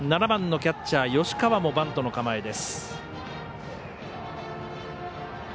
７番のキャッチャー吉川もバントの構え。